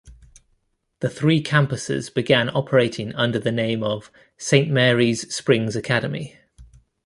The three campuses began operating under the name of Saint Mary's Springs Academy.